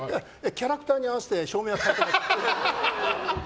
キャラクターに合わせて照明は変えてますって。